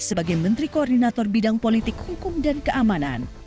sebagai menteri koordinator bidang politik hukum dan keamanan